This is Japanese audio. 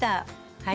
はい。